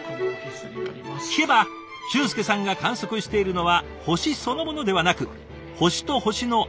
聞けば俊介さんが観測しているのは星そのものではなく星と星の間にある暗闇。